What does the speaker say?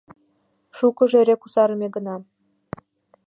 Шукыжо эре кусарыме гына.